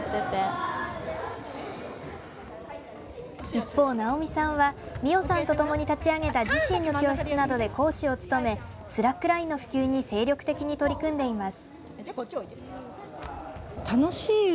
一方、直美さんは美青さんとともに立ち上げた自身の教室などで講師を務めスラックラインの普及に精力的に取り組んでいます。